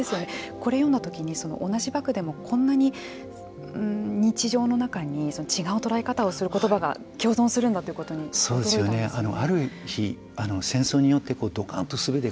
これを読んだ時に同じ爆でもこんなに日常の中に違うとかする言葉が共存するんだということに驚いたんですよね。